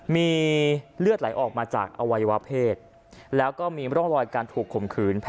มีเลือดไหลออกมาจากอวัยวะเพศแล้วก็มีร่องรอยการถูกข่มขืน